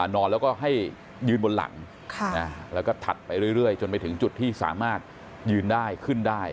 นอนแล้วก็ให้ยืนบนหลังแล้วก็ถัดไปเรื่อยจนไปถึงจุดที่สามารถยืนได้ขึ้นได้